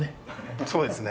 そうですね。